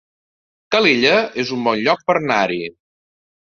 Calella es un bon lloc per anar-hi